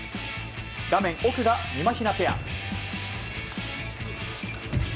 画面奥が、みまひなペア。